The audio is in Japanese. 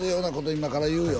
今から言うよ